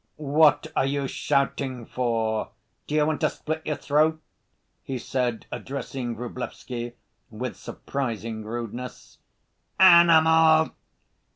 "What are you shouting for? D'you want to split your throat?" he said, addressing Vrublevsky, with surprising rudeness. "Animal!"